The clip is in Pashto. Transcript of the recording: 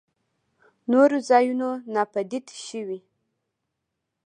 نورو ځايونو ناپديد شوي.